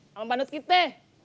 sama bandut kita